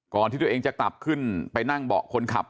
ที่ตัวเองจะกลับขึ้นไปนั่งเบาะคนขับ